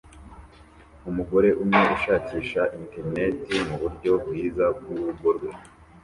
Umugore umwe ushakisha interineti muburyo bwiza bwurugo rwe